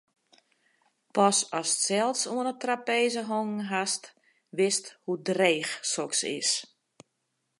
Pas ast sels oan 'e trapeze hongen hast, witst hoe dreech soks is.